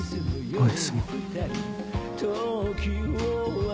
おやすみ。